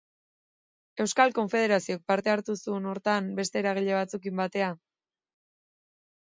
Euskal Konfederazioak parte hartu zuen horretan beste eragile batzuekin batera.